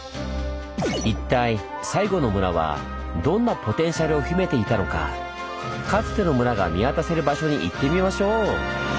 一体最後の村はどんなポテンシャルを秘めていたのかかつての村が見渡せる場所に行ってみましょう！